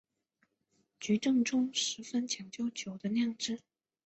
菊正宗十分讲究酒的酿制。